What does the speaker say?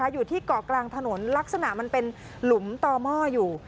อยู่ที่เกาะกลางถนนลักษณะมันเป็นหลุมต่อหม้ออยู่